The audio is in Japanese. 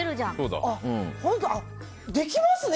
本当、できますね